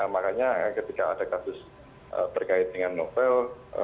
makanya ketika ada kasus berkait dengan novel